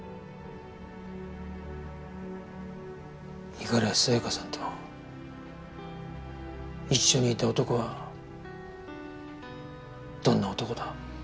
五十嵐さやかさんと一緒にいた男はどんな男だ？